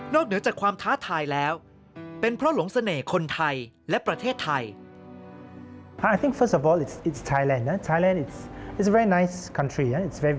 เหนือจากความท้าทายแล้วเป็นเพราะหลงเสน่ห์คนไทยและประเทศไทย